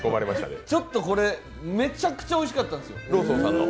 ちょっとこれ、めちゃくちゃおいしかったんですよ。